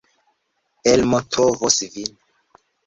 Elmo trovos vin.